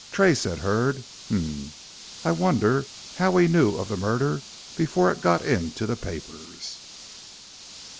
"Tray," said Hurd. "Hum! I wonder how he knew of the murder before it got into the papers?"